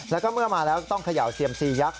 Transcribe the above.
แล้วก็เมื่อมาแล้วต้องเขย่าเซียมซียักษ